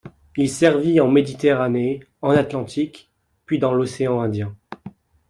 Il servit en Méditerranée, en Atlantique puis dans l'océan Indien.